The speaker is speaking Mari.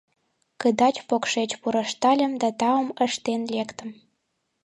Кыдач-покшеч пурыштальым да таум ыштен лектым.